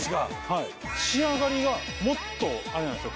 はい仕上がりがもっとあれなんですよ